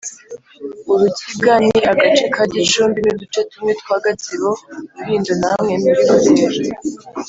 Urukiga Ni agace ka Gicumbi n’uduce tumwe twa Gatsibo, Rulindo na hamwe muri Burera